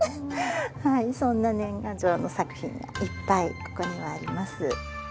そんな年賀状の作品がいっぱいここにはあります。